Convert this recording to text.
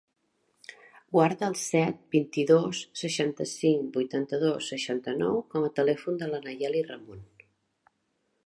Guarda el set, vint-i-dos, seixanta-cinc, vuitanta-dos, seixanta-nou com a telèfon de la Nayeli Remon.